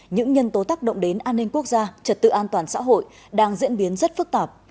những nhân tố tác động đến an ninh quốc gia trật tự an toàn xã hội đang diễn biến rất phức tạp